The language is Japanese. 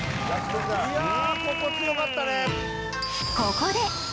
いやここ強かったね！